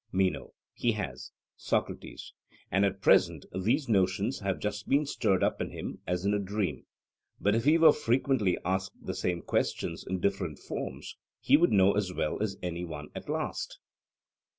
MENO: He has. SOCRATES: And at present these notions have just been stirred up in him, as in a dream; but if he were frequently asked the same questions, in different forms, he would know as well as any one at last?